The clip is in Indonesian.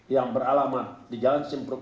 yang beralama di jalan simpruk